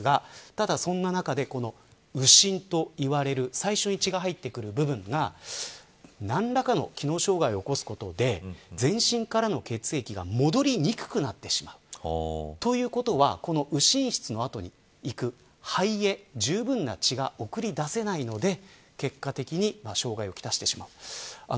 ただ、そんな中で右心といわれる最初に血が入ってくる部分が何らかの機能障害を起こすことで全身からの血液が戻りにくくなってしまうということは右心室の後に行く肺へじゅうぶんな血が送り出せないので結果的に障害を来してしまう。